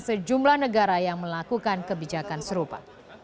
sejumlah negara yang melakukan kebijakan serupa